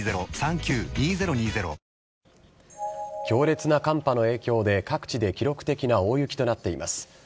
強烈な寒波の影響で、各地で記録的な大雪となっています。